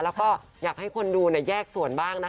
แล้วก็อยากให้คนดูแยกส่วนบ้างนะคะ